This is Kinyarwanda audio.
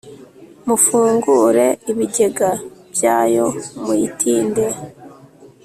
Mufungure ibigega byayo muyitinde